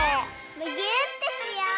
むぎゅーってしよう！